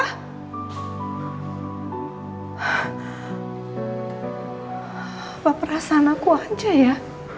apa perasaan aku aja ya